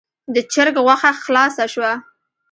د چرګ غوښه خلاصه شوه.